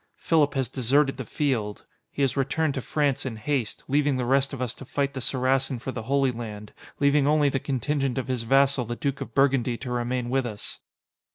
Philip has deserted the field. He has returned to France in haste, leaving the rest of us to fight the Saracen for the Holy Land leaving only the contingent of his vassal the Duke of Burgundy to remain with us."